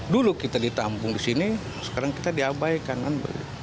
dulu kita ditampung di sini sekarang kita diabaikan kan